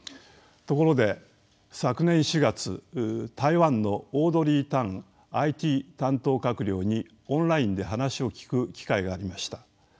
ところで昨年４月台湾のオードリー・タンＩＴ担当閣僚にオンラインで話を聞く機会がありました。